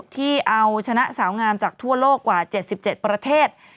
ที่เอาชนะสาวงามจากทั่วโลกกว่า๗๗ประเทศ